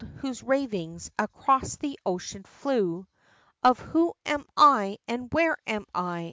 whose ravings Across the ocean flew, Of "Who am I? and where am I?